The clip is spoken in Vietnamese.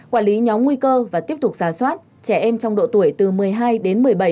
quản lý nhóm nguy cơ và tiếp tục giả soát trẻ em trong độ tuổi từ một mươi hai đến một mươi bảy